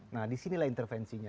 nah disinilah intervensinya